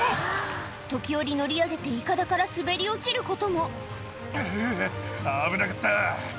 時折乗り上げてイカダから滑り落ちることもふぅ危なかった。